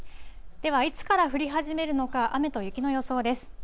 では、いつから降り始めるのか、雨と雪の予想です。